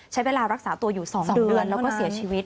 ใช้เวลารักษาตัวอยู่๒เดือนแล้วก็เสียชีวิต